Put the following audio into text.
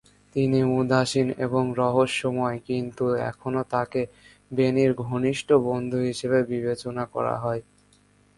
তিনি উদাসীন এবং রহস্যময় কিন্তু এখনও তাকে বেনির ঘনিষ্ঠ বন্ধু হিসেবে বিবেচনা করা হয়।